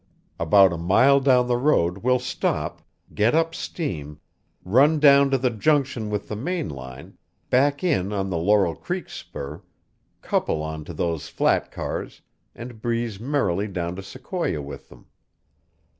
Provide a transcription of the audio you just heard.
About a mile down the road we'll stop, get up steam, run down to the junction with the main line, back in on the Laurel Creek spur, couple on to those flat cars and breeze merrily down to Sequoia with them.